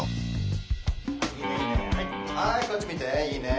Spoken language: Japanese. はいこっち見ていいね。